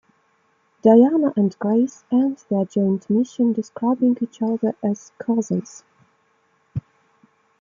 Diana and Grace end their joint mission describing each other as cousins.